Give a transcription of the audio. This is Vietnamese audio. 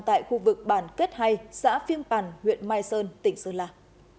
tại khu vực bản kết hay xã phiêng bản huyện mai sơn tỉnh sơn lạc